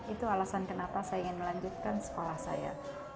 itu alasan kenapa saya ingin melanjutkan sekolah saya